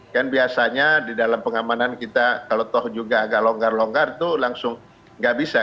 kan biasanya di dalam pengamanan kita kalau toh juga agak longgar longgar itu langsung nggak bisa